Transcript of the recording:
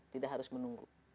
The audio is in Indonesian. tidak harus menunggu